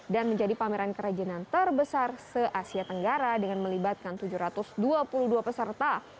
dan menjadi pameran kerajinan terbesar se asia tenggara dengan melibatkan tujuh ratus dua puluh dua peserta